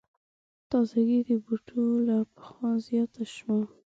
تازګي د بوټو له پخوا زیاته شوه.